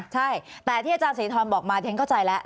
ใช่แต่ที่อาจารย์ศรีธรบอกมาฉันเข้าใจแล้ว